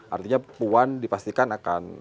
artinya puan dipastikan akan